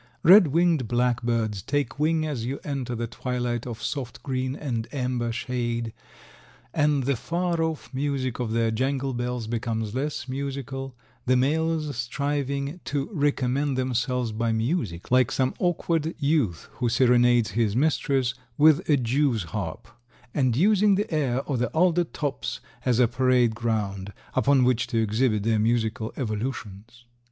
Red winged blackbirds take wing as you enter the twilight of soft green and amber shade and the far off music of their jangle bells becomes less musical, the males striving "to recommend themselves by music, like some awkward youth who serenades his mistress with a jewsharp," and using the air or the alder tops as a parade ground upon which to exhibit their musical evolutions.